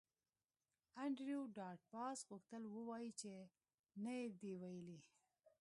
انډریو ډاټ باس غوښتل ووایی چې نه یې دی ویلي